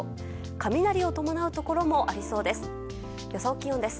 雷を伴うところもありそうです。